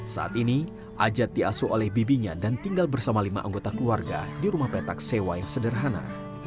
saat ini ajat diasuh oleh bibinya dan tinggal bersama lima anggota keluarga di rumah petak sewa yang sederhana